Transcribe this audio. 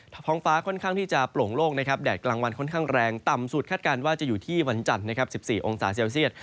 ท้องฟ้าที่จะโปร่งโลกแดดกลางวันแรงต่ำสุดคาดการณ์ว่าอยู่ที่วันจันทร์๑๓องศาเซลเซียต